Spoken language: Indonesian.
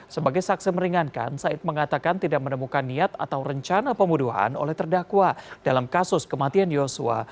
sebagai saksi meringankan said mengatakan tidak menemukan niat atau rencana pembunuhan oleh terdakwa dalam kasus kematian yosua